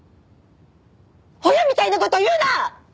親みたいな事言うな！！